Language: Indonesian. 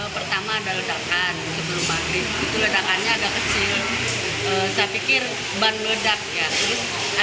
pada pagi pas waktu maghrib agak gede jadi rumah sampai bergetar gitu kayak berupa